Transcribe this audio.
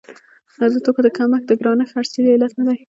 نو د توکو کمښت د ګرانښت اصلي علت نه دی.